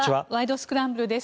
スクランブル」です。